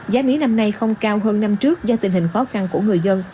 giá mía năm nay không cao hơn năm trước do tình hình khó khăn của người dân